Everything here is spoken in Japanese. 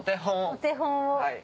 お手本を。